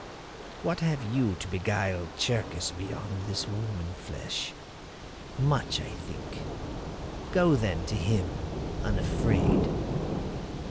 What have you to beguile Cherkis beyond this woman flesh? Much, I think. Go then to him unafraid."